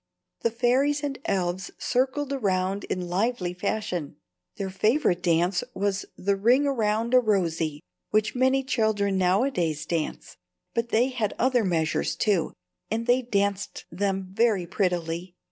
The fairies and elves circled around in lively fashion. Their favorite dance was the ring round a rosey which many children nowadays dance. But they had other measures, too, and they danced them very prettily.